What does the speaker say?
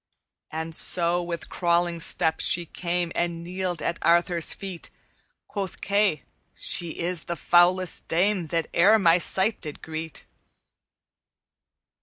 "And so with crawling step she came And kneeled at Arthur's feet; Quoth Kay, 'She is the foulest dame That e'er my sight did greet.'